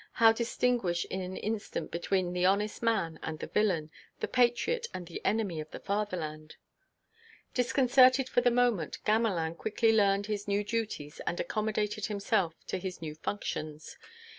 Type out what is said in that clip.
How distinguish in an instant between the honest man and the villain, the patriot and the enemy of the fatherland...? Disconcerted for the moment, Gamelin quickly learned his new duties and accommodated himself to his new functions.